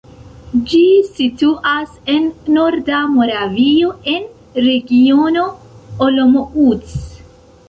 Ĝi situas en norda Moravio, en Regiono Olomouc.